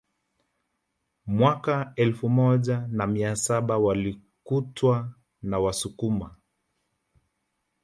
Mwaka elfu moja na mia saba walikutwa na Wasukuma